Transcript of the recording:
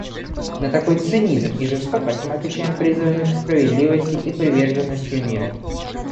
На такой цинизм и жестокость мы отвечаем призывами к справедливости и приверженностью миру.